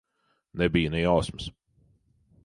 Nebija ne jausmas.